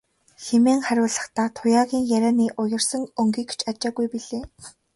хэмээн хариулахдаа Туяагийн ярианы уярсан өнгийг ч ажаагүй билээ.